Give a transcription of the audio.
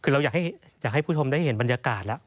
คือเราอยากให้ผู้ชมได้เห็นบรรยากาศแล้ว